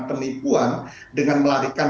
penipuan dengan melarikan